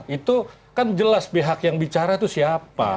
itu kan jelas pihak yang bicara itu siapa